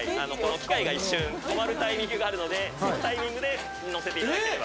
機械が一瞬止まるタイミングがあるのでそのタイミングでのせていただければ。